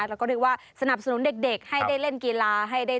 เราก็นึกว่าสนับสนุนเด็กให้ได้เล่นกีฬา